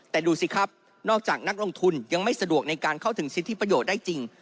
แต่ดูสิครับนอกจากนักลงทุนยังไม่สะดวกในการเข้าถึงสิทธิประโยชน์ได้จริง